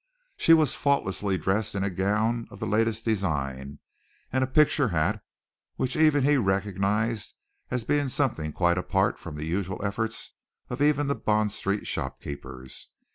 She was faultlessly dressed in a gown of the latest design, and a picture hat which even he recognized as being something quite apart from the usual efforts of even the Bond Street shopkeepers.